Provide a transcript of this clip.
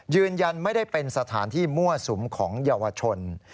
ยืนยันไม่ได้เป็นสถานที่มั่วสุมของเยาวชน